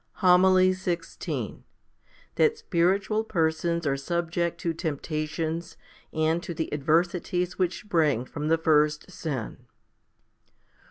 HOMILY XVI That spiritual persons are subject to temptations and to the adversities which spring from the first sin.